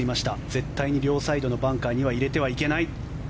絶対に両サイドのバンカーには入れてはいけない。